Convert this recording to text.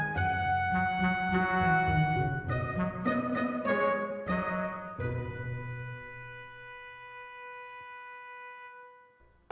jangan niveau sama pensyik kau poop